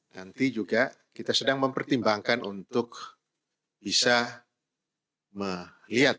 nanti juga kita sedang mempertimbangkan untuk bisa melihat